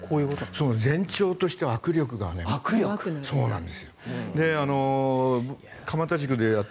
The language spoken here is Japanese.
前兆としては握力が弱くなるんです。